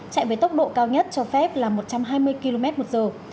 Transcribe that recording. chạy với tốc độ cao nhất cho phép là một trăm hai mươi km một giờ